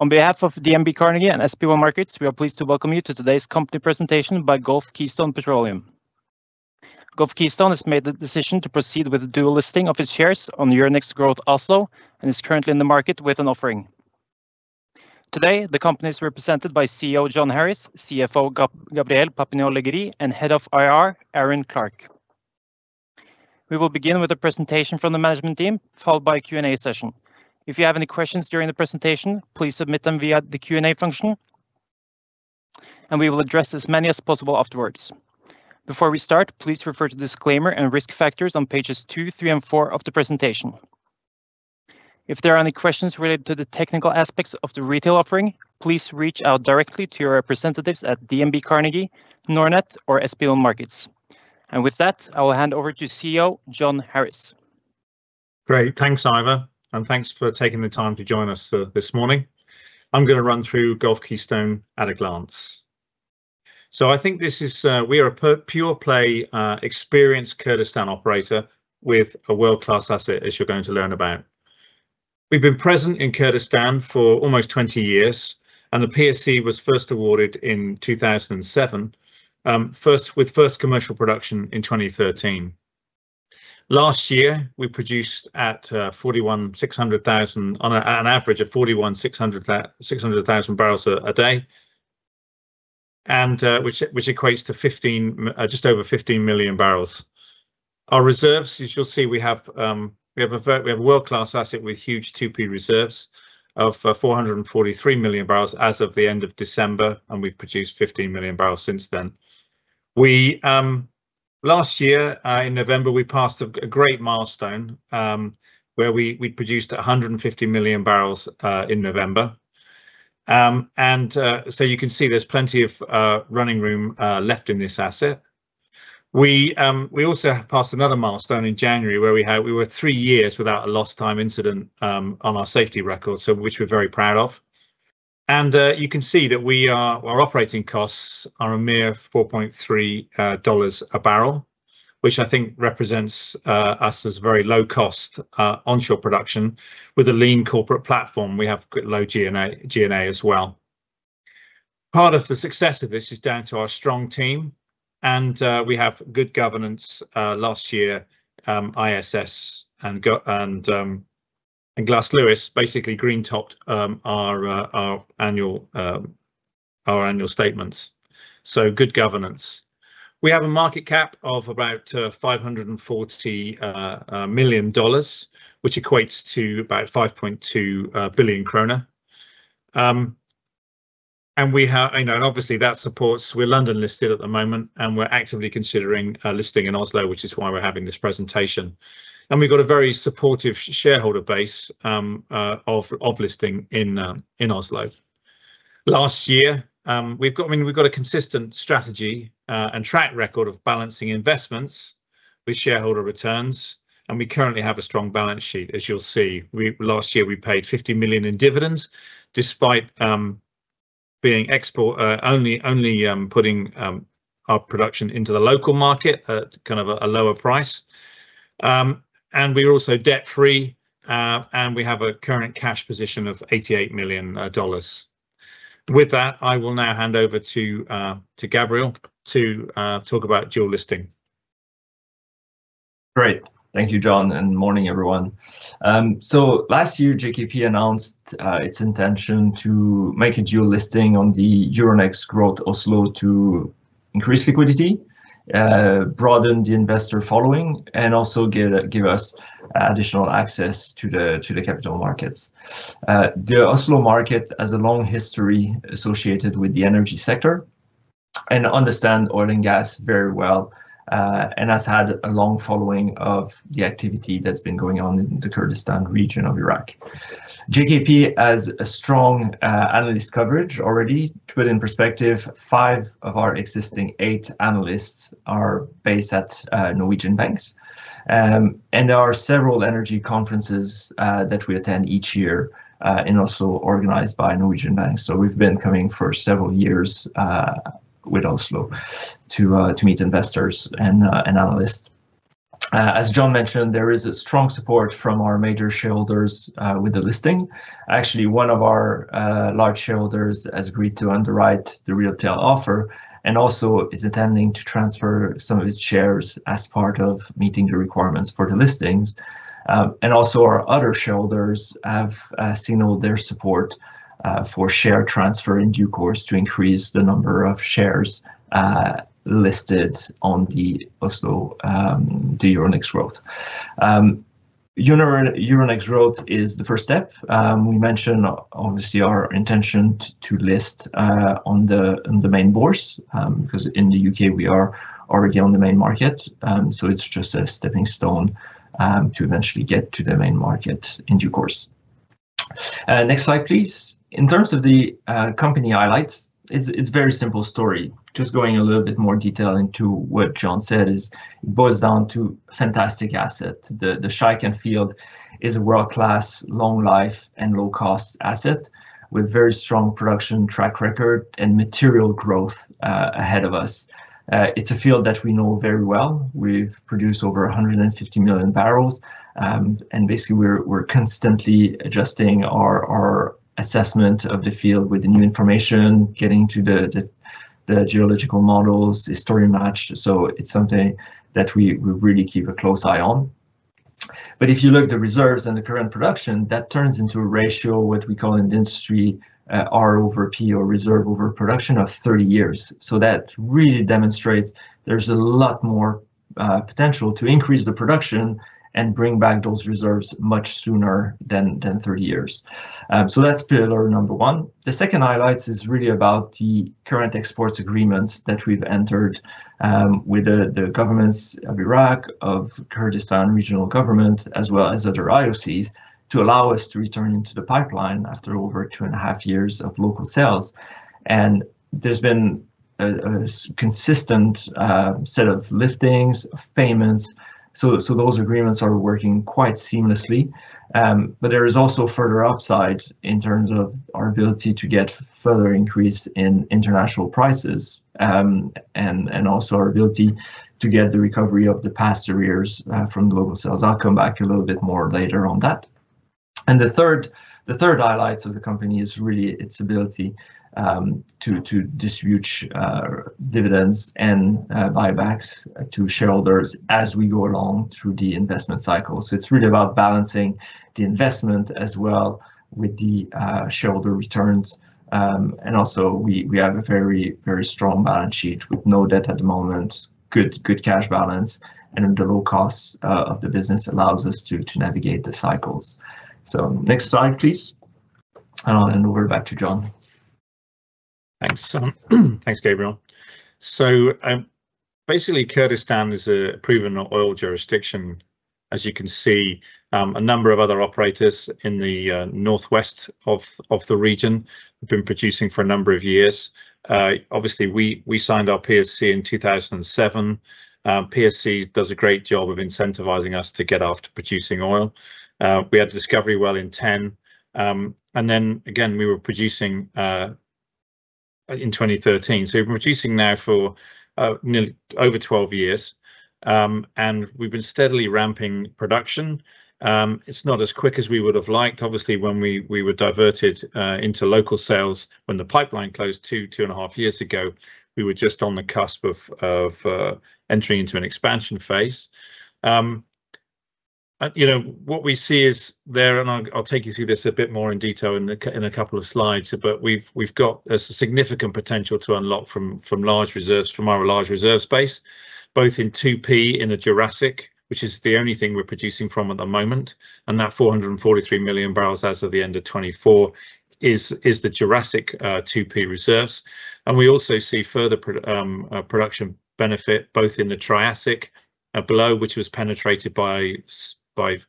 On behalf of DNB Markets, Carnegie AS and SpareBank 1 Markets, we are pleased to welcome you to today's company presentation by Gulf Keystone Petroleum. Gulf Keystone has made the decision to proceed with a dual listing of its shares on Euronext Growth Oslo and is currently in the market with an offering. Today, the company is represented by CEO Jon Harris, CFO Gabriel Papineau-Legris, and Head of IR Aaron Clark. We will begin with a presentation from the management team, followed by a Q&A session. If you have any questions during the presentation, please submit them via the Q&A function. We will address as many as possible afterwards. Before we start, please refer to disclaimer and risk factors on pages 2, 3, and 4 of the presentation. If there are any questions related to the technical aspects of the retail offering, please reach out directly to your representatives at DNB Markets, Carnegie, Nordnet, or SpareBank 1 Markets. With that, I will hand over to CEO Jon Harris. Great. Thanks, Ivan, and thanks for taking the time to join us this morning. I'm going to run through Gulf Keystone at a glance. So I think this is we are a pure-play experienced Kurdistan operator with a world-class asset, as you're going to learn about. We've been present in Kurdistan for almost 20 years, and the PSC was first awarded in 2007, with first commercial production in 2013. Last year, we produced at 41,600,000 on an average of 41,600,000 barrels a day, which equates to just over 15 million barrels. Our reserves, as you'll see, we have a world-class asset with huge 2P reserves of 443 million barrels as of the end of December, and we've produced 15 million barrels since then. Last year, in November, we passed a great milestone where we produced 150 million barrels in November. So you can see there's plenty of running room left in this asset. We also passed another milestone in January where we were three years without a lost-time incident on our safety records, which we're very proud of. You can see that our operating costs are a mere $4.3 a barrel, which I think represents us as very low-cost onshore production with a lean corporate platform. We have low G&A as well. Part of the success of this is down to our strong team, and we have good governance last year. ISS and Glass Lewis basically green-topped our annual statements. So good governance. We have a market cap of about $540 million, which equates to about 5.2 billion krone. Obviously, that supports we're London listed at the moment, and we're actively considering listing in Oslo, which is why we're having this presentation. We've got a very supportive shareholder base of listing in Oslo. Last year, we've got a consistent strategy and track record of balancing investments with shareholder returns, and we currently have a strong balance sheet, as you'll see. Last year, we paid $50 million in dividends despite only putting our production into the local market at kind of a lower price. We're also debt-free, and we have a current cash position of $88 million. With that, I will now hand over to Gabriel to talk about dual listing. Great. Thank you, Jon, and good morning, everyone. Last year, GKP announced its intention to make a dual listing on the Euronext Growth Oslo to increase liquidity, broaden the investor following, and also give us additional access to the capital markets. The Oslo market has a long history associated with the energy sector and understands oil and gas very well and has had a long following of the activity that's been going on in the Kurdistan region of Iraq. GKP has strong analyst coverage already. To put it in perspective, five of our existing eight analysts are based at Norwegian banks. There are several energy conferences that we attend each year in Oslo organized by Norwegian banks. We've been coming for several years to Oslo to meet investors and analysts. As Jon mentioned, there is strong support from our major shareholders with the listing. Actually, one of our large shareholders has agreed to underwrite the retail offer and also is attending to transfer some of his shares as part of meeting the requirements for the listings. Our other shareholders have signaled their support for share transfer in due course to increase the number of shares listed on the Euronext Growth Oslo. Euronext Growth Oslo is the first step. We mentioned, obviously, our intention to list on the main boards because in the U.K., we are already on the main market. So it's just a stepping stone to eventually get to the main market in due course. Next slide, please. In terms of the company highlights, it's a very simple story. Just going a little bit more detail into what Jon said is it boils down to a fantastic asset. The Shaikan Field is a world-class, long-life, and low-cost asset with a very strong production track record and material growth ahead of us. It's a field that we know very well. We've produced over 150 million barrels. Basically, we're constantly adjusting our assessment of the field with the new information, getting to the geological models, history matched. It's something that we really keep a close eye on. If you look at the reserves and the current production, that turns into a ratio, what we call in the industry, R over P or reserve over production of 30 years. That really demonstrates there's a lot more potential to increase the production and bring back those reserves much sooner than 30 years. That's pillar number one. The second highlight is really about the current export agreements that we've entered with the governments of Iraq, of Kurdistan Regional Government, as well as other IOCs to allow us to return into the pipeline after over 2.5 years of local sales. There's been a consistent set of liftings, payments. Those agreements are working quite seamlessly. There is also further upside in terms of our ability to get further increase in international prices and also our ability to get the recovery of the past arrears from global sales. I'll come back a little bit more later on that. The third highlight of the company is really its ability to distribute dividends and buybacks to shareholders as we go along through the investment cycle. It's really about balancing the investment as well with the shareholder returns. Also we have a very, very strong balance sheet with no debt at the moment, good cash balance, and the low cost of the business allows us to navigate the cycles. Next slide, please. I'll hand over back to Jon. Thanks. Thanks, Gabriel. So basically, Kurdistan is a proven oil jurisdiction. As you can see, a number of other operators in the northwest of the region have been producing for a number of years. Obviously, we signed our PSC in 2007. PSC does a great job of incentivizing us to get after producing oil. We had discovery well in 2010. And then again, we were producing in 2013. So we've been producing now for nearly over 12 years. And we've been steadily ramping production. It's not as quick as we would have liked. Obviously, when we were diverted into local sales when the pipeline closed two and a half years ago, we were just on the cusp of entering into an expansion phase. What we see is there and I'll take you through this a bit more in detail in a couple of slides. But we've got a significant potential to unlock from large reserves, from our large reserve space, both in 2P in the Jurassic, which is the only thing we're producing from at the moment. And that 443 million barrels as of the end of 2024 is the Jurassic 2P reserves. And we also see further production benefit both in the Triassic below, which was penetrated by,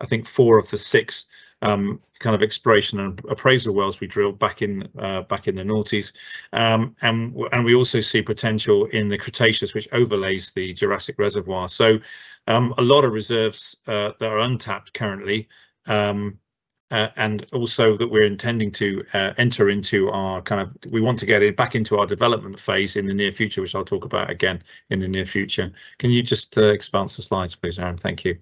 I think, 4 of the 6 kind of exploration and appraisal wells we drilled back in the 2000s. And we also see potential in the Cretaceous, which overlays the Jurassic reservoir. So a lot of reserves that are untapped currently and also that we're intending to enter into our kind of we want to get it back into our development phase in the near future, which I'll talk about again in the near future. Can you just expand some slides, please, Aaron? Thank you.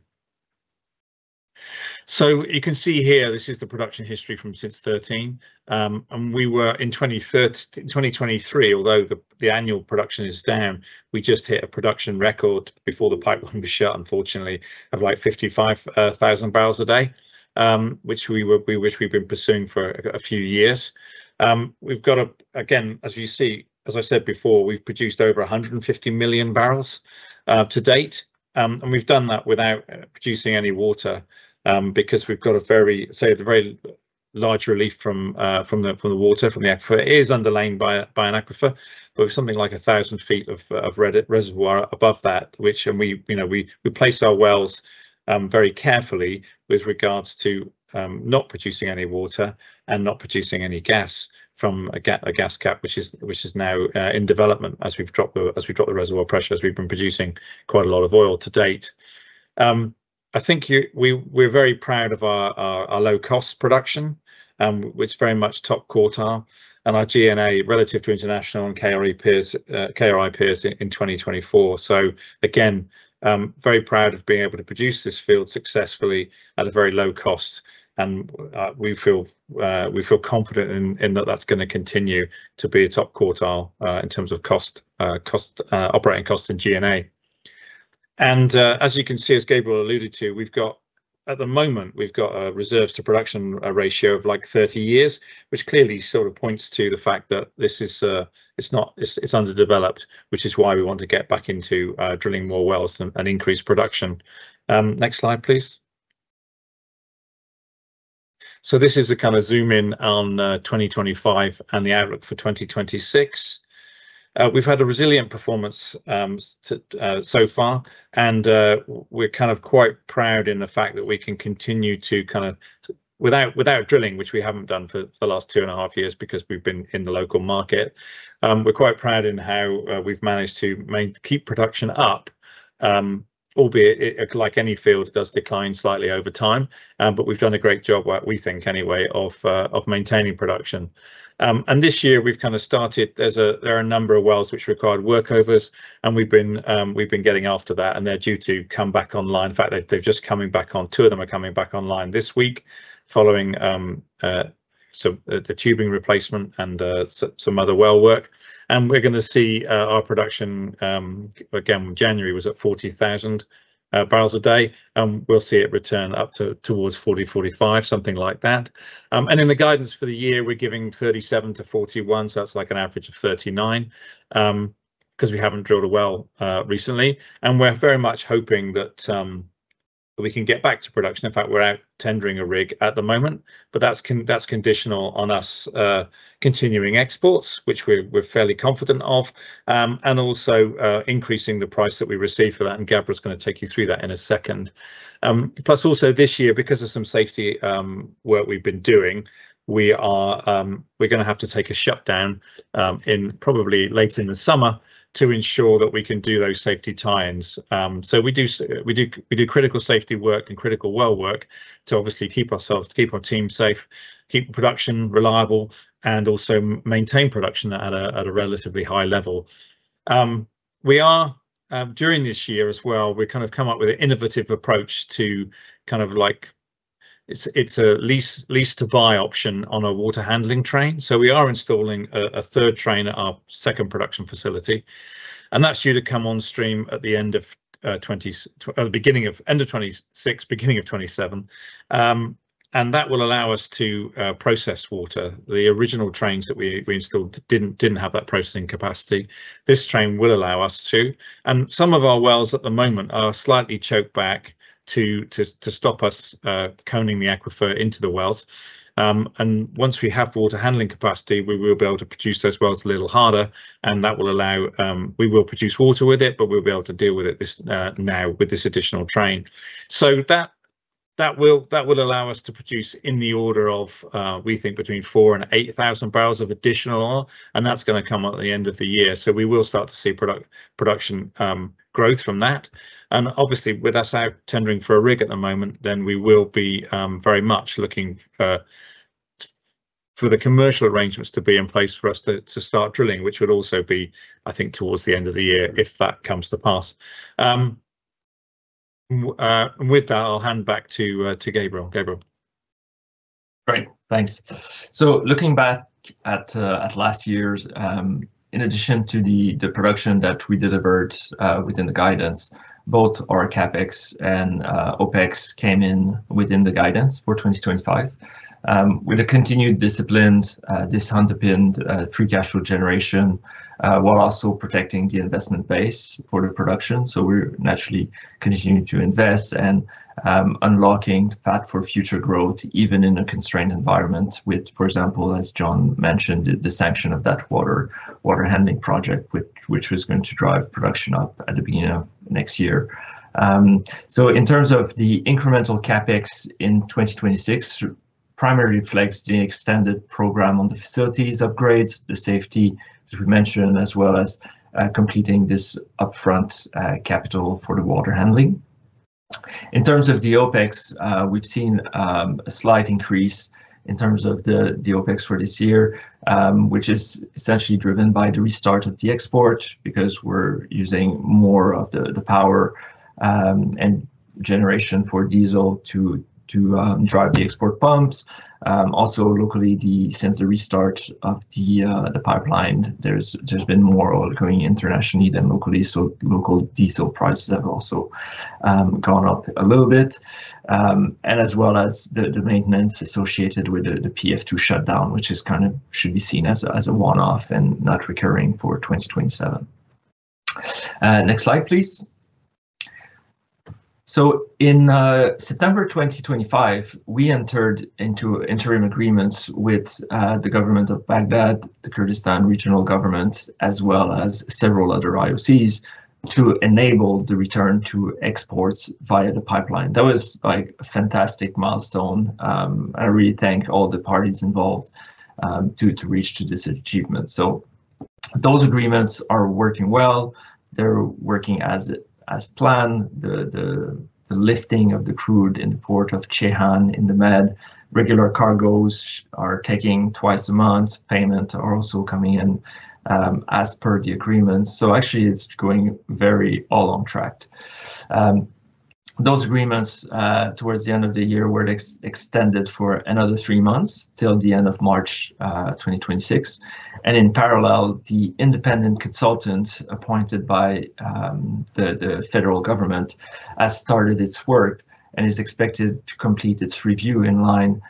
So you can see here, this is the production history from since 2013. We were in 2023, although the annual production is down, we just hit a production record before the pipeline was shut, unfortunately, of like 55,000 barrels a day, which we've been pursuing for a few years. We've got a again, as you see, as I said before, we've produced over 150 million barrels to date. And we've done that without producing any water because we've got a very, say, a very large relief from the water, from the aquifer. It is underlain by an aquifer, but with something like 1,000 feet of reservoir above that, which and we place our wells very carefully with regards to not producing any water and not producing any gas from a gas cap, which is now in development as we've dropped the reservoir pressure, as we've been producing quite a lot of oil to date. I think we're very proud of our low-cost production. It's very much top quartile and our G&A relative to international and KRI peers in 2024. So again, very proud of being able to produce this field successfully at a very low cost. And we feel confident in that that's going to continue to be a top quartile in terms of operating cost and G&A. As you can see, as Gabriel alluded to, at the moment, we've got a reserves-to-production ratio of like 30 years, which clearly sort of points to the fact that it's underdeveloped, which is why we want to get back into drilling more wells and increase production. Next slide, please. This is a kind of zoom in on 2025 and the outlook for 2026. We've had a resilient performance so far, and we're kind of quite proud in the fact that we can continue to kind of without drilling, which we haven't done for the last 2.5 years because we've been in the local market. We're quite proud in how we've managed to keep production up, albeit like any field, it does decline slightly over time. We've done a great job, we think anyway, of maintaining production. This year, we've kind of started. There are a number of wells which required workovers, and we've been getting after that, and they're due to come back online. In fact, they've just come back on. 2 of them are coming back online this week following the tubing replacement and some other well work. And we're going to see our production again. January was at 40,000 barrels a day. And we'll see it return up towards 40-45, something like that. And in the guidance for the year, we're giving 37-41. So that's like an average of 39 because we haven't drilled a well recently. And we're very much hoping that we can get back to production. In fact, we're out tendering a rig at the moment, but that's conditional on us continuing exports, which we're fairly confident of, and also increasing the price that we receive for that. And Gabriel is going to take you through that in a second. Plus also this year, because of some safety work we've been doing, we're going to have to take a shutdown probably late in the summer to ensure that we can do those safety tie-ins. So we do critical safety work and critical well work to obviously keep ourselves, keep our team safe, keep production reliable, and also maintain production at a relatively high level. During this year as well, we've kind of come up with an innovative approach to kind of like it's a lease-to-buy option on a water handling train. So we are installing a third train at our second production facility. That's due to come on stream at the end of the beginning of end of 2026, beginning of 2027. That will allow us to process water. The original trains that we installed didn't have that processing capacity. This train will allow us to. Some of our wells at the moment are slightly choked back to stop us coning the aquifer into the wells. Once we have water handling capacity, we will be able to produce those wells a little harder. That will allow we will produce water with it, but we'll be able to deal with it now with this additional train. So that will allow us to produce in the order of, we think, between 4,000 and 8,000 barrels of additional oil. That's going to come at the end of the year. So we will start to see production growth from that. And obviously, with us out tendering for a rig at the moment, then we will be very much looking for the commercial arrangements to be in place for us to start drilling, which would also be, I think, towards the end of the year if that comes to pass. With that, I'll hand back to Gabriel. Gabriel. Great. Thanks. So looking back at last year's, in addition to the production that we delivered within the guidance, both our CapEx and OpEx came in within the guidance for 2025 with a continued disciplined, disciplined free cash flow generation while also protecting the investment base for the production. So we're naturally continuing to invest and unlocking value for future growth even in a constrained environment with, for example, as Jon mentioned, the sanctioning of that water handling project, which was going to drive production up at the beginning of next year. So in terms of the incremental CapEx in 2026, it primarily reflects the extended program on the facilities upgrades, the safety, as we mentioned, as well as completing this upfront capital for the water handling. In terms of the OpEx, we've seen a slight increase in terms of the OpEx for this year, which is essentially driven by the restart of the export because we're using more of the power and generation for diesel to drive the export pumps. Also locally, since the restart of the pipeline, there's been more oil going internationally than locally. So local diesel prices have also gone up a little bit, as well as the maintenance associated with the PF2 shutdown, which kind of should be seen as a one-off and not recurring for 2027. Next slide, please. In September 2025, we entered into interim agreements with the government of Baghdad, the Kurdistan Regional Government, as well as several other IOCs to enable the return to exports via the pipeline. That was a fantastic milestone. I really thank all the parties involved to reach this achievement. So those agreements are working well. They're working as planned. The lifting of the crude in the port of Ceyhan in the Med, regular cargoes are taking twice a month, payments are also coming in as per the agreements. So actually, it's going very well on track. Those agreements towards the end of the year were extended for another 3 months till the end of March 2026. And in parallel, the independent consultant appointed by the federal government has started its work and is expected to complete its review in line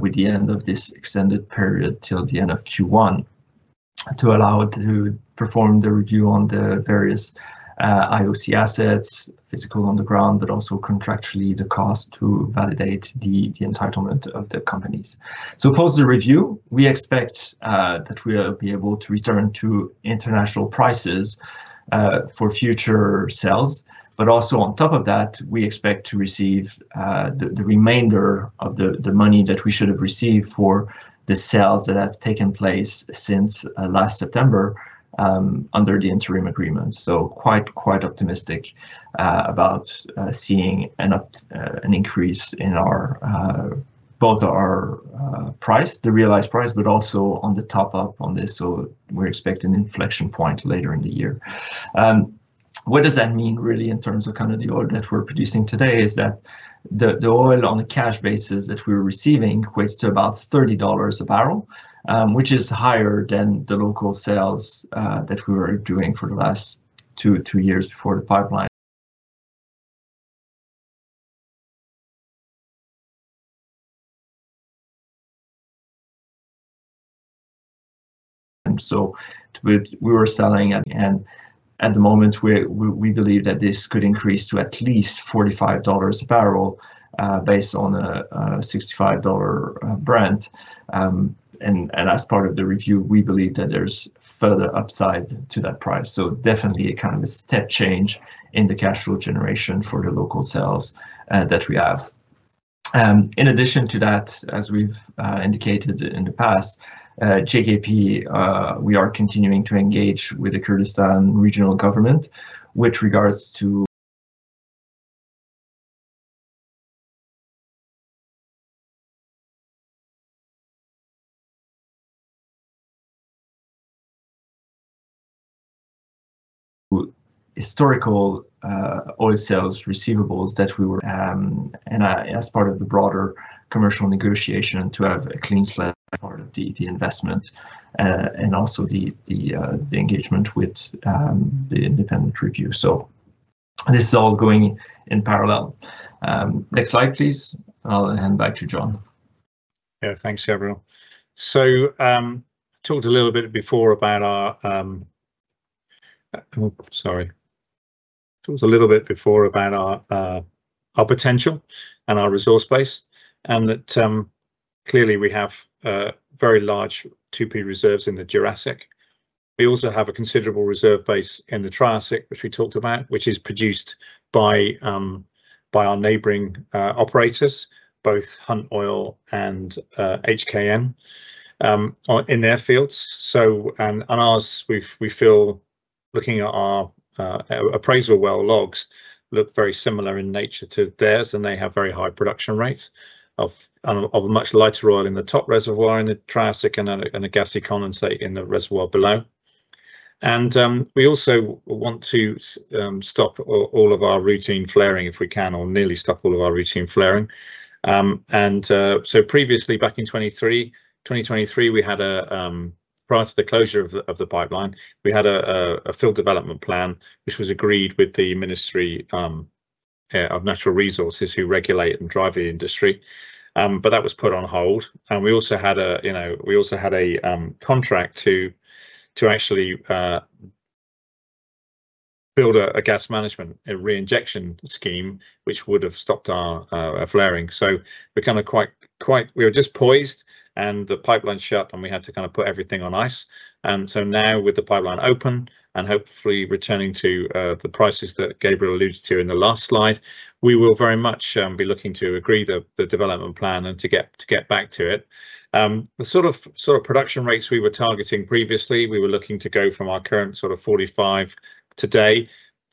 with the end of this extended period till the end of Q1 to allow it to perform the review on the various IOC assets, physical on the ground, but also contractually the cost to validate the entitlement of the companies. So post the review, we expect that we will be able to return to international prices for future sales. But also on top of that, we expect to receive the remainder of the money that we should have received for the sales that have taken place since last September under the interim agreements. So quite optimistic about seeing an increase in both our price, the realized price, but also on the top-up on this. So we expect an inflection point later in the year. What does that mean, really, in terms of kind of the oil that we're producing today is that the oil on a cash basis that we're receiving equates to about $30 a barrel, which is higher than the local sales that we were doing for the last two years before the pipeline. And so we were selling. And at the moment, we believe that this could increase to at least $45 a barrel based on a $65 Brent. And as part of the review, we believe that there's further upside to that price. So definitely a kind of a step change in the cash flow generation for the local sales that we have. In addition to that, as we've indicated in the past, GKP, we are continuing to engage with the Kurdistan Regional Government with regards to historical oil sales receivables that. And as part of the broader commercial negotiation to have a clean slate part of the investment and also the engagement with the independent review. So this is all going in parallel. Next slide, please. I'll hand back to Jon. Yeah. Thanks, Gabriel. So I talked a little bit before about our potential and our resource base and that clearly we have very large 2P Reserves in the Jurassic. We also have a considerable reserve base in the Triassic, which we talked about, which is produced by our neighboring operators, both Hunt Oil and HKN, in their fields. And ours, we feel looking at our appraisal well logs, look very similar in nature to theirs, and they have very high production rates of a much lighter oil in the top reservoir in the Triassic and a gassy condensate in the reservoir below. And we also want to stop all of our routine flaring, if we can, or nearly stop all of our routine flaring. And so previously, back in 2023, prior to the closure of the pipeline, we had a field development plan, which was agreed with the Ministry of Natural Resources who regulate and drive the industry. But that was put on hold. And we also had a contract to actually build a gas management, a reinjection scheme, which would have stopped our flaring. So we were just poised and the pipeline shut and we had to kind of put everything on ice. And so now with the pipeline open and hopefully returning to the prices that Gabriel alluded to in the last slide, we will very much be looking to agree to the development plan and to get back to it. The sort of production rates we were targeting previously, we were looking to go from our current sort of 45 today,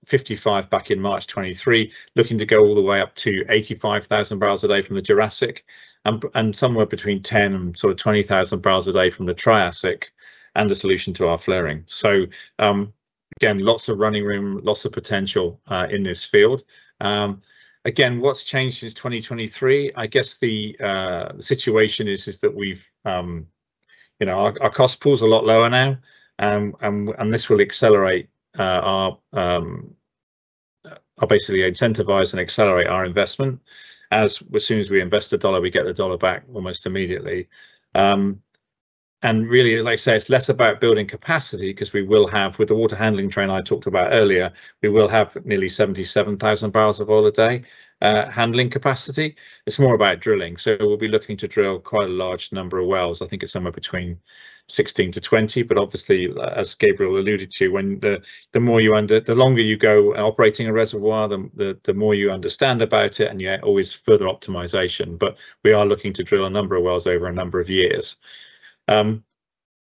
55 back in March 2023, looking to go all the way up to 85,000 barrels a day from the Jurassic and somewhere between 10-20,000 barrels a day from the Triassic and the solution to our flaring. So again, lots of running room, lots of potential in this field. Again, what's changed since 2023? I guess the situation is that we have our cost pool is a lot lower now, and this will accelerate our basically incentivize and accelerate our investment. As soon as we invest $1, we get the $1 back almost immediately. Really, like I say, it's less about building capacity because we will have with the water handling train I talked about earlier, we will have nearly 77,000 barrels of oil a day handling capacity. It's more about drilling. We'll be looking to drill quite a large number of wells. I think it's somewhere between 16-20. But obviously, as Gabriel alluded to, the longer you go operating a reservoir, the more you understand about it, and you get always further optimization. But we are looking to drill a number of wells over a number of years.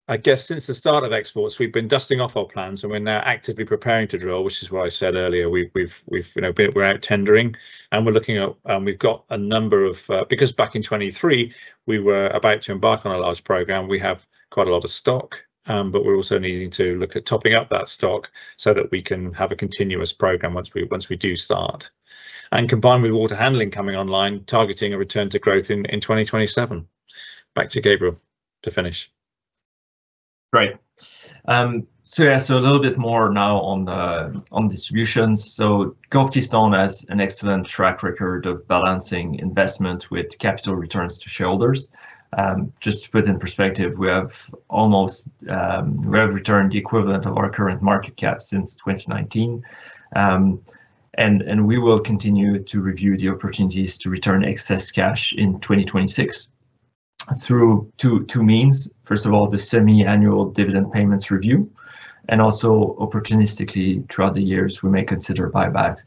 I guess since the start of exports, we've been dusting off our plans, and we're now actively preparing to drill, which is what I said earlier. We're out tendering, and we're looking at we've got a number of because back in 2023, we were about to embark on a large program. We have quite a lot of stock, but we're also needing to look at topping up that stock so that we can have a continuous program once we do start. Combined with water handling coming online, targeting a return to growth in 2027. Back to Gabriel to finish. Great. So yeah, so a little bit more now on distributions. So Gulf Keystone has an excellent track record of balancing investment with capital returns to shareholders. Just to put in perspective, we have almost returned the equivalent of our current market cap since 2019. And we will continue to review the opportunities to return excess cash in 2026 through two means. First of all, the semi-annual dividend payments review. And also opportunistically, throughout the years, we may consider buyback.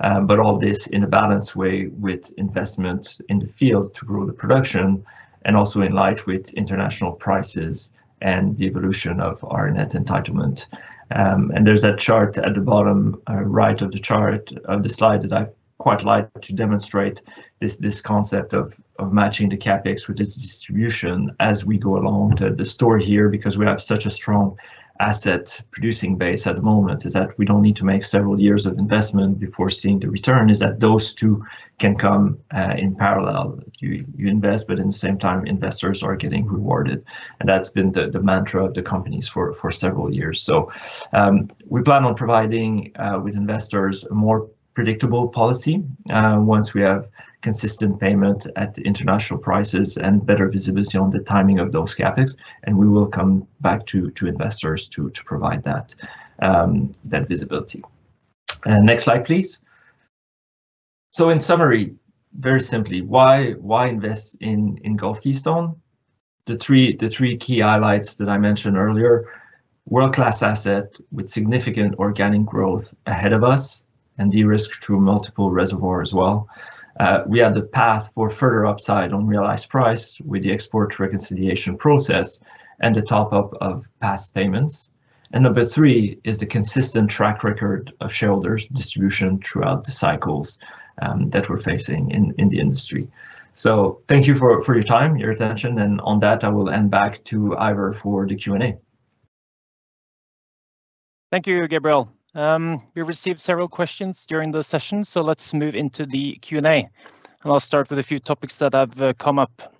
But all this in a balanced way with investment in the field to grow the production and also in light with international prices and the evolution of our net entitlement. And there's that chart at the bottom right of the slide that I quite like to demonstrate this concept of matching the CAPEX with its distribution as we go along. The story here, because we have such a strong asset producing base at the moment, is that we don't need to make several years of investment before seeing the return, is that those two can come in parallel. You invest, but at the same time, investors are getting rewarded. And that's been the mantra of the companies for several years. So we plan on providing with investors a more predictable policy once we have consistent payment at international prices and better visibility on the timing of those CapEx. And we will come back to investors to provide that visibility. Next slide, please. So in summary, very simply, why invest in Gulf Keystone? The three key highlights that I mentioned earlier: world-class asset with significant organic growth ahead of us and de-risk through multiple reservoirs as well. We have the path for further upside on realized price with the export reconciliation process and the top-up of past payments. And number three is the consistent track record of shareholders distribution throughout the cycles that we're facing in the industry. So thank you for your time, your attention. And on that, I will end back to Ivor for the Q&A. Thank you, Gabriel. We received several questions during the session, so let's move into the Q&A. I'll start with a few topics that have come up.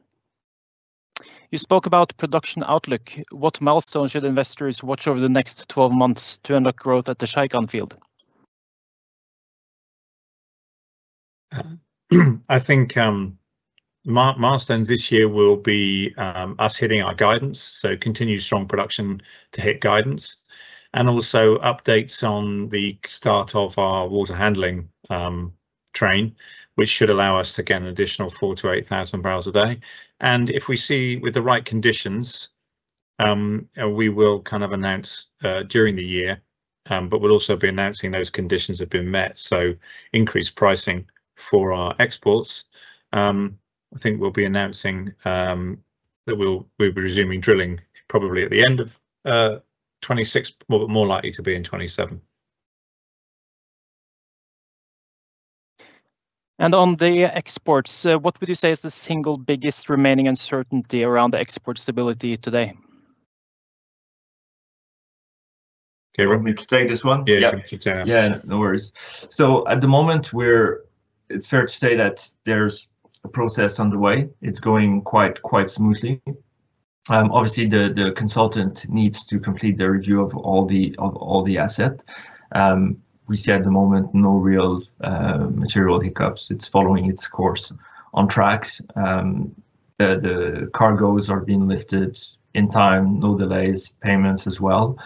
You spoke about production outlook. What milestone should investors watch over the next 12 months to unlock growth at the Shaikan Field? I think milestones this year will be us hitting our guidance, so continue strong production to hit guidance. Also updates on the start of our water handling train, which should allow us to get an additional 4,000-8,000 barrels a day. If we see with the right conditions, we will kind of announce during the year, but we'll also be announcing those conditions have been met. Increased pricing for our exports. I think we'll be announcing that we'll be resuming drilling probably at the end of 2026, but more likely to be in 2027. On the exports, what would you say is the single biggest remaining uncertainty around the export stability today? Gabriel, can we update this one? Yeah, sure. Yeah, no worries. So at the moment, it's fair to say that there's a process underway. It's going quite smoothly. Obviously, the consultant needs to complete the review of all the assets. We see at the moment no real material hiccups. It's following its course on track. The cargoes are being lifted in time, no delays, payments as well.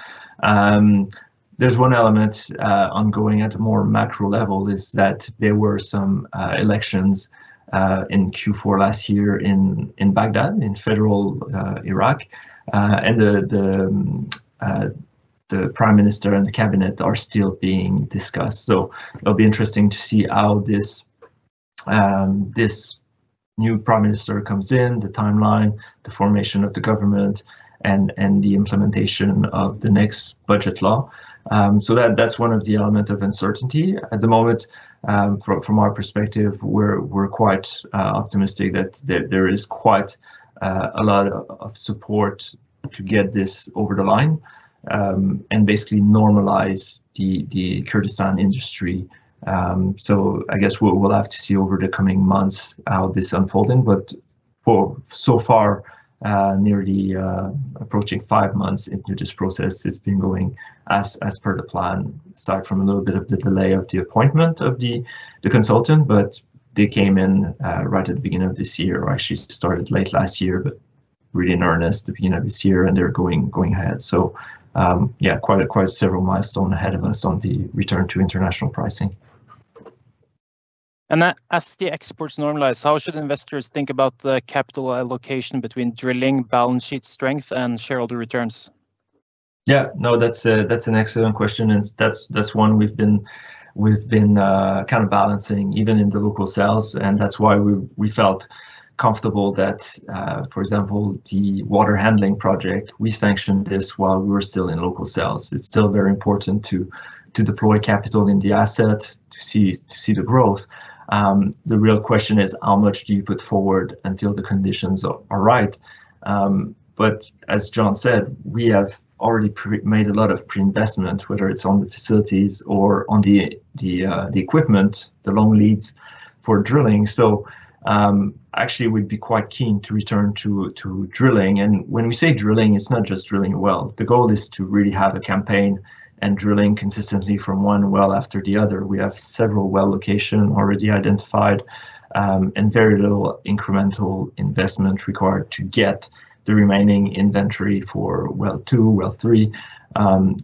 There's one element ongoing at a more macro level, which is that there were some elections in Q4 last year in Baghdad, in federal Iraq. The prime minister and the cabinet are still being discussed. It'll be interesting to see how this new prime minister comes in, the timeline, the formation of the government, and the implementation of the next budget law. That's one of the elements of uncertainty. At the moment, from our perspective, we're quite optimistic that there is quite a lot of support to get this over the line and basically normalize the Kurdistan industry. So I guess we'll have to see over the coming months how this is unfolding. But so far, nearly approaching five months into this process, it's been going as per the plan, aside from a little bit of the delay of the appointment of the consultant. But they came in right at the beginning of this year or actually started late last year, but really in earnest the beginning of this year, and they're going ahead. So yeah, quite several milestones ahead of us on the return to international pricing. And as the exports normalize, how should investors think about the capital allocation between drilling, balance sheet strength, and shareholder returns? Yeah. No, that's an excellent question. And that's one we've been kind of balancing even in the local sales. And that's why we felt comfortable that, for example, the water handling project, we sanctioned this while we were still in local sales. It's still very important to deploy capital in the asset to see the growth. The real question is, how much do you put forward until the conditions are right? But as John said, we have already made a lot of pre-investment, whether it's on the facilities or on the equipment, the long leads for drilling. So actually, we'd be quite keen to return to drilling. And when we say drilling, it's not just drilling a well. The goal is to really have a campaign and drilling consistently from one well after the other. We have several well locations already identified and very little incremental investment required to get the remaining inventory for well 2, well 3.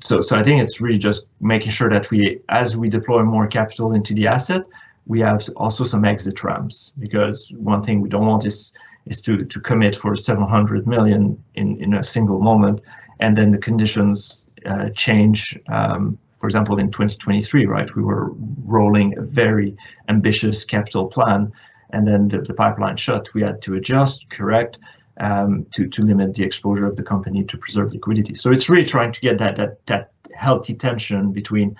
So I think it's really just making sure that as we deploy more capital into the asset, we have also some exit ramps because one thing we don't want is to commit for $700 million in a single moment, and then the conditions change. For example, in 2023, right, we were rolling a very ambitious capital plan, and then the pipeline shut. We had to adjust, correct, to limit the exposure of the company to preserve liquidity. So it's really trying to get that healthy tension between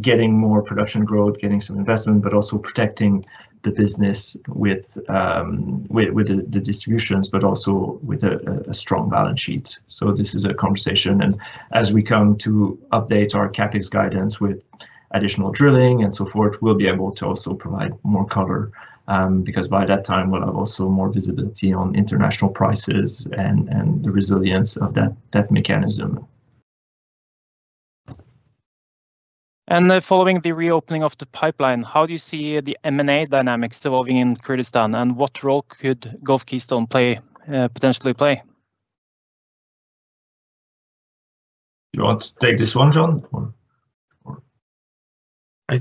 getting more production growth, getting some investment, but also protecting the business with the distributions, but also with a strong balance sheet. So this is a conversation. As we come to update our CAPEX guidance with additional drilling and so forth, we'll be able to also provide more color because by that time, we'll have also more visibility on international prices and the resilience of that mechanism. Following the reopening of the pipeline, how do you see the M&A dynamics evolving in Kurdistan, and what role could Gulf Keystone potentially play? Do you want to take this one, Jon, or?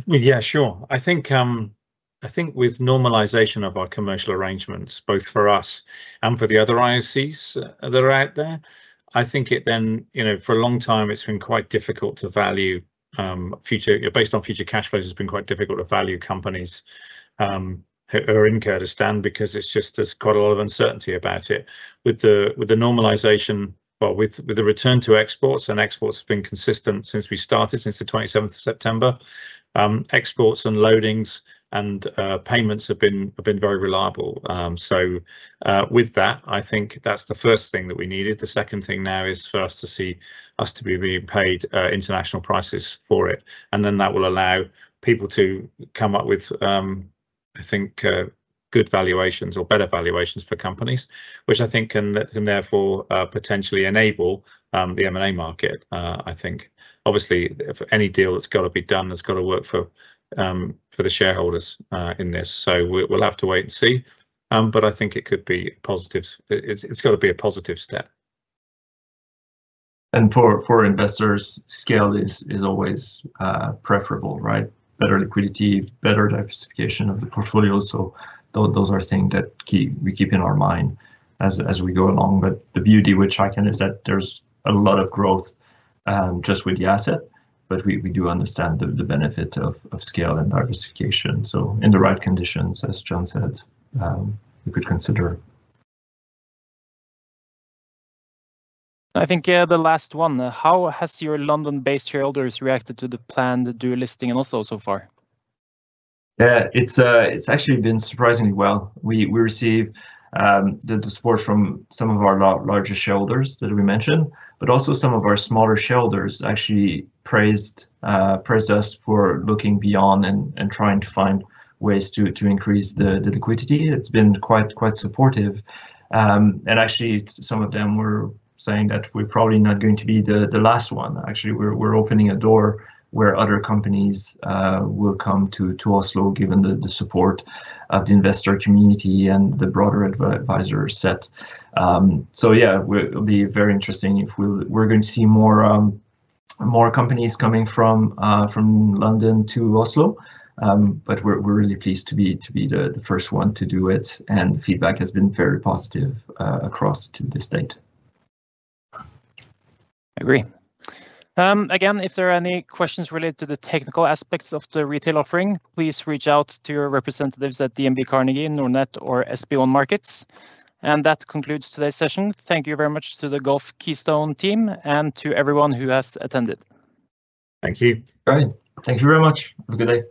Yeah, sure. I think with normalization of our commercial arrangements, both for us and for the other IOCs that are out there, I think it then for a long time, it's been quite difficult to value based on future cash flows, it's been quite difficult to value companies who are in Kurdistan because there's quite a lot of uncertainty about it. With the normalization well, with the return to exports and exports have been consistent since we started, since the 27th of September, exports and loadings and payments have been very reliable. So with that, I think that's the first thing that we needed. The second thing now is for us to see us to be being paid international prices for it. And then that will allow people to come up with, I think, good valuations or better valuations for companies, which I think can therefore potentially enable the M&A market, I think. Obviously, any deal that's got to be done, it's got to work for the shareholders in this. So we'll have to wait and see. But I think it could be positive. It's got to be a positive step. For investors, scale is always preferable, right? Better liquidity, better diversification of the portfolio. Those are things that we keep in our mind as we go along. The beauty with Shaikan is that there's a lot of growth just with the asset, but we do understand the benefit of scale and diversification. In the right conditions, as John said, we could consider. I think the last one. How has your London-based shareholders reacted to the planned delisting also so far? Yeah, it's actually been surprisingly well. We receive the support from some of our larger shareholders that we mentioned, but also some of our smaller shareholders actually praised us for looking beyond and trying to find ways to increase the liquidity. It's been quite supportive. And actually, some of them were saying that we're probably not going to be the last one. Actually, we're opening a door where other companies will come to Oslo given the support of the investor community and the broader advisory set. So yeah, it'll be very interesting. We're going to see more companies coming from London to Oslo. But we're really pleased to be the first one to do it. And feedback has been very positive across to this date. Agree. Again, if there are any questions related to the technical aspects of the retail offering, please reach out to your representatives at DNB, Carnegie, Nordnet, or SB1 Markets. And that concludes today's session. Thank you very much to the Gulf Keystone team and to everyone who has attended. Thank you. Great. Thank you very much. Have a good day.